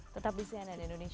tetap di cnn indonesia prime news